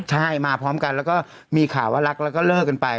ใช่มาพร้อมกันแล้วก็มีข่าวว่ารักแล้วก็เลิกกันไป